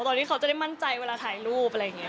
เขาจะได้มั่นใจเวลาถ่ายรูปอะไรอย่างนี้